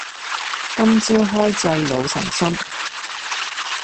兩朝開濟老臣心